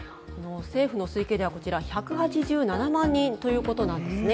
政府の推計では１８７万人ということなんですね。